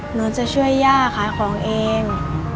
หนูจะช่วยย่าขายของเอง